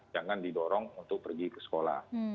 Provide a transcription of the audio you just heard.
jangan didorong untuk pergi ke sekolah